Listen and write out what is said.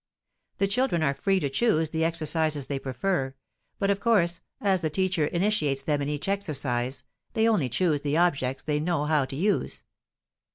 The children are free to choose the exercises they prefer; but of course, as the teacher initiates them in each exercise, they only choose the objects they know how to use.